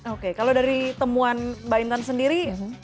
oke kalau dari temuan mbak intan sendiri